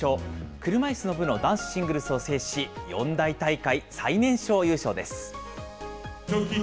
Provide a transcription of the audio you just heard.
車いすの部の男子シングルスを制し、四大大会最年少優勝です。